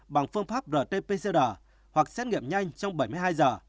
bằng phương pháp rt pcr hoặc xét nghiệm nhanh trong bảy mươi hai giờ